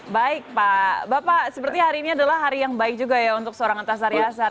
baik pak bapak seperti hari ini adalah hari yang baik juga ya untuk seorang antasari asar